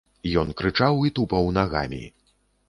Ён крычаў і тупаў нагамі.